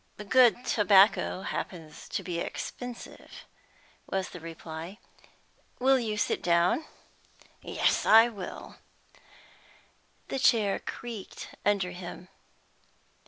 "Good tobacco happens to be expensive," was the reply. "Will you sit down?" "Yes, I will." The chair creaked under him.